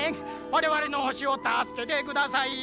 「われわれの星をたすけてください」。